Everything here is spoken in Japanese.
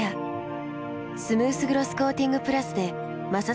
スムースグロスコーティングプラスで摩擦ダメージも低減。